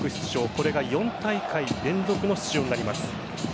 これが４大会連続の出場になります。